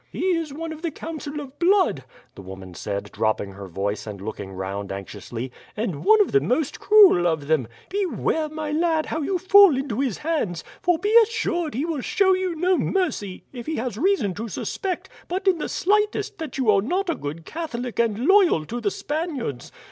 "He is one of the Council of Blood," the woman said, dropping her voice and looking round anxiously; "and one of the most cruel of them. Beware, my lad, how you fall into his hands, for be assured he will show you no mercy, if he has reason to suspect, but in the slightest, that you are not a good Catholic and loyal to the Spaniards.